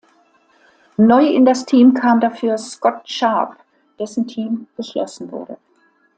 Neu in das Team kam dafür Scott Sharp, dessen Team geschlossen wurde.